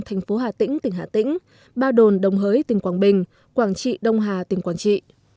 thành phố hà tĩnh tỉnh hà tĩnh ba đồn đồng hới tỉnh quảng bình quảng trị đông hà tỉnh quảng trị